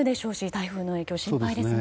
台風の影響、心配ですね。